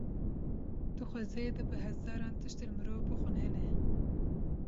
Di xwezayê de bi hezaran tiştên mirov bixwin hene.